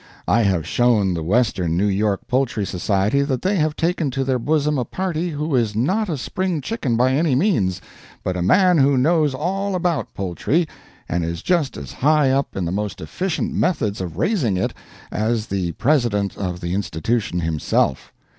I have shown the Western New York Poultry Society that they have taken to their bosom a party who is not a spring chicken by any means, but a man who knows all about poultry, and is just as high up in the most efficient methods of raising it as the president of the institution himself.